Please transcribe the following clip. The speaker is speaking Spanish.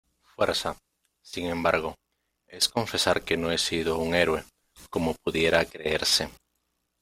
fuerza, sin embargo , es confesar que no he sido un héroe , como pudiera creerse.